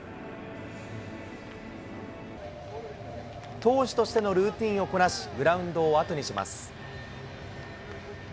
投手としてのルーティンをこなし、グラウンドを後にします。